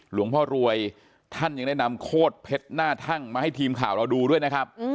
หลวงพ่อรวยท่านยังได้นำโคตรเพชรหน้าทั่งมาให้ทีมข่าวเราดูด้วยนะครับ